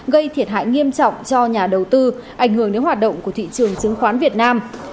gây thiệt hại nghiêm trọng cho nhà đầu tư ảnh hưởng đến hoạt động của thị trường chứng khoán việt nam